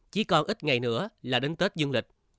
chỉ còn ít ngày nữa là đến tết dương lịch